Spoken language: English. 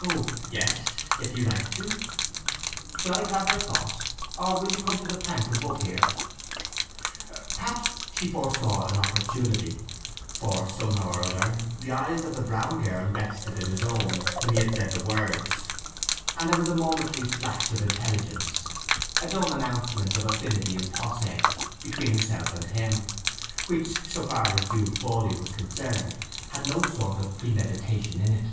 "Oh yes; if you like to." "Shall I clamber across, or will you come to the plank above here?" Perhaps she foresaw an opportunity; for somehow or other the eyes of the brown girl rested in his own when he had said the words, and there was a momentary flash of intelligence, a dumb announcement of affinity in posse between herself and him, which, so far as Jude Fawley was concerned, had no sort of premeditation in it.